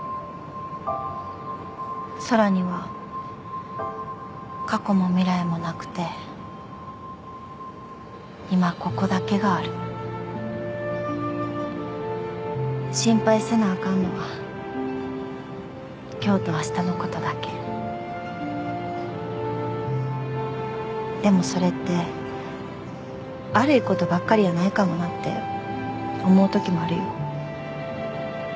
空には過去も未来もなくて今ここだけがある心配せなあかんのは今日とあしたのことだけでもそれって悪いことばっかりやないかもなって思うときもあるよ